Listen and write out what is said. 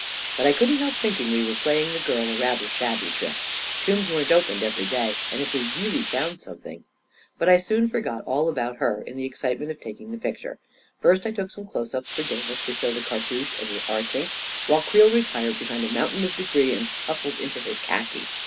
But I couldn't help thinking we were playing the girl a rather shabby trick. Tombs weren't opened every day; and if we really found something ... But I soon forgot all about her in the excitement of taking the picture. First I took some close ups for Davis, to show the cartouche and the arching, while Creel retired behind a mound of debris and hustled into his khaki.